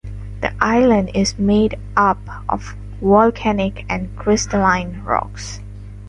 The island is made up of volcanic and crystalline rocks.